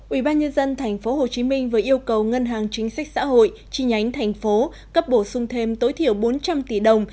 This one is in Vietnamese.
ủy ban nhân dân tp hcm vừa yêu cầu ngân hàng chính sách xã hội chi nhánh thành phố cấp bổ sung thêm tối thiểu bốn trăm linh tỷ đồng